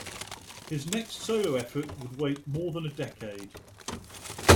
His next solo effort would wait more than a decade.